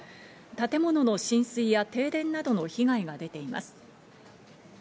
建物の浸水や、停電などの被害が出ています。